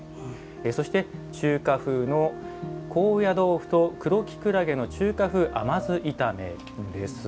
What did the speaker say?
そして中華風の高野豆腐と黒きくらげの中華風甘酢炒めです。